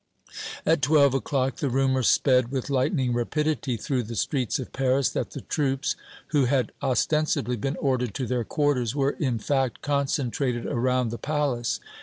At twelve o'clock the rumor sped with lightning rapidity through the streets of Paris that the troops, who had ostensibly been ordered to their quarters, were, in fact, concentrated around the palace.